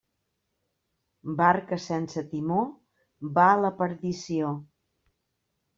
Barca sense timó va a la perdició.